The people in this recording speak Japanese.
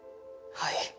はい。